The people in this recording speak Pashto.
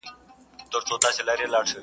دا به څوک وي چي بلبل بولي ښاغلی،